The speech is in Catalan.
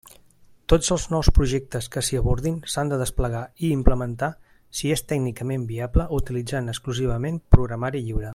Tots els nous projectes que s'hi abordin s'han de desplegar i implementar, si és tècnicament viable, utilitzant exclusivament programari lliure.